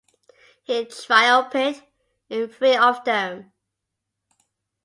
He triumphed in three of them.